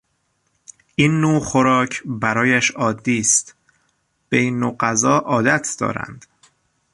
این نوع خوراک برایش عادی است، به این نوع غذا عادت دارد.